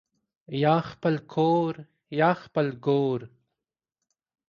یا خپل کورریا خپل ګور